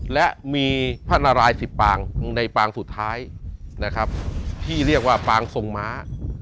และมีพระนารายสิบปางในปางสุดท้ายนะครับที่เรียกว่าปางทรงม้า